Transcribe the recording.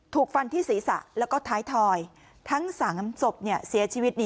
ถูกฟันที่ศีรษะแล้วก็ท้ายถอยทั้ง๓ศพเสียชีวิต